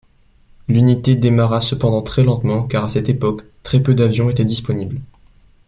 L'unité démarra cependant très lentement car à cette époque, très peu d'avions étaient disponibles.